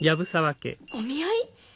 お見合い！？